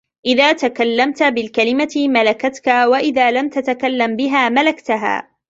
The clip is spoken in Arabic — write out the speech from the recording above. إذا تكلمت بالكلمة ملكتك وإذا لم تتكلم بها ملكتها